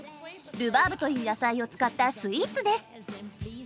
ルバーブという野菜を使ったスイーツです！